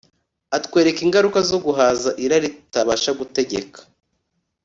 Atwereka ingaruka zo guhaza irari tutabasha gutegeka